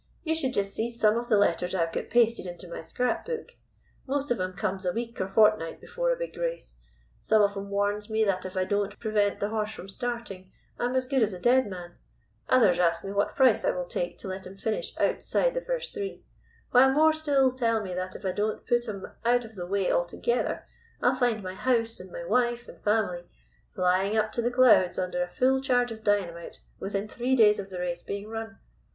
You should just see some of the letters I've got pasted into my scrap book. Most of 'em comes a week or fortnight before a big race. Some of 'em warns me that if I don't prevent the horse from starting, I'm as good as a dead man; others ask me what price I will take to let him finish outside the first three; while more still tell me that if I don't put 'im out of the way altogether, I'll find my house and my wife and family flying up to the clouds under a full charge of dynamite within three days of the race being run.